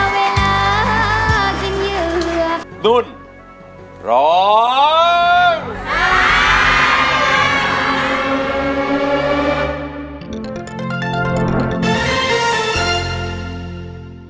โปรดติดตามตอนต่อไป